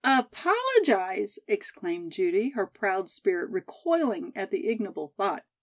"Apologize!" exclaimed Judy, her proud spirit recoiling at the ignoble thought.